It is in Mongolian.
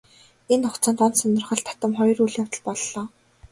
Энэ хугацаанд онц сонирхол татам хоёр үйл явдал боллоо.